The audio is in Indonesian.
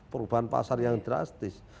perubahan pasar yang drastis